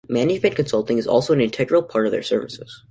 Management consulting is also an integral part of their services.